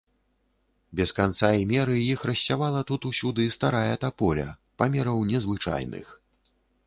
Без канца і меры іх рассявала тут усюды старая таполя, памераў незвычайных.